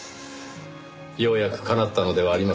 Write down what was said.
ようやく叶ったのではありませんか？